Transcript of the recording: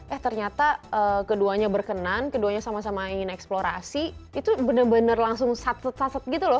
eh ternyata keduanya berkenan keduanya sama sama ingin eksplorasi itu benar benar langsung sate saset gitu loh